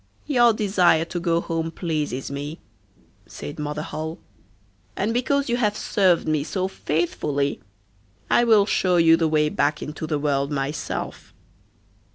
'Your desire to go home pleases me,' said Mother Holle, 'and because you have served me so faithfully, I will show you the way back into the world myself.